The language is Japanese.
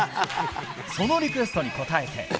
そのリクエストに応えて。